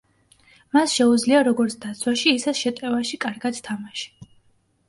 მას შეუძლია როგორც დაცვაში ისე შეტევაში კარგად თამაში.